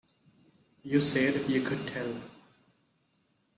You said you could tell.